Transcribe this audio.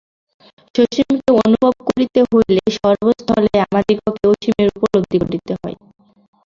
সসীমকে অনুভব করিতে হইলে সর্বস্থলেই আমাদিগকে অসীমের উপলব্ধি করিতে হয়।